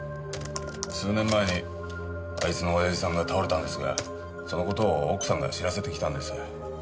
数年前にあいつの親父さんが倒れたんですがその事を奥さんが知らせてきたんです。